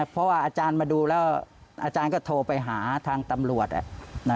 เพราะว่าอาจารย์มาดูแล้วอาจารย์ก็โทรไปหาทางตำรวจ